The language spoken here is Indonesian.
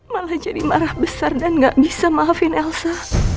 malah jadi marah besar dan gak bisa maafin elsa